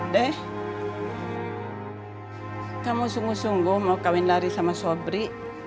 deh kamu sungguh sungguh mau kawin lari sama sobri